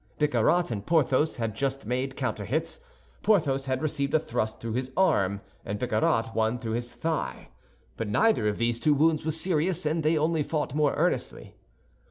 Bicarat and Porthos had just made counterhits. Porthos had received a thrust through his arm, and Bicarat one through his thigh. But neither of these two wounds was serious, and they only fought more earnestly.